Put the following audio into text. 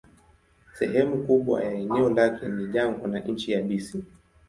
Sehemu kubwa ya eneo lake ni jangwa na nchi yabisi.